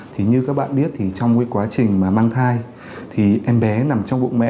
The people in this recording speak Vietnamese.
thì như các bạn biết thì trong quá trình mang thai thì em bé nằm trong bụng mẹ